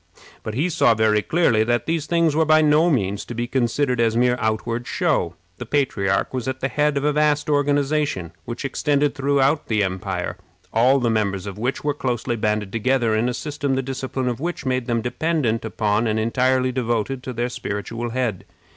But he saw very clearly that these things were by no means to be considered as mere outward show. The patriarch was at the head of a vast organization, which extended throughout the empire, all the members of which were closely banded together in a system the discipline of which made them dependent upon and entirely devoted to their spiritual head.